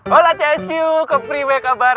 halo csq ke pria apa kabar